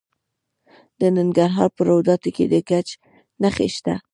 د ننګرهار په روداتو کې د ګچ نښې شته.